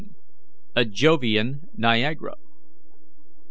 A JOVIAN NIAGARA.